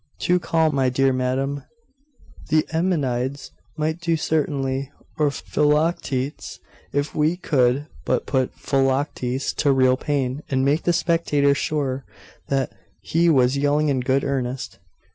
'Too calm, my dear madam. The Eumenides might do certainly, or Philoctetes, if we could but put Philoctetes to real pain, and make the spectators sure that he was yelling in good earnest.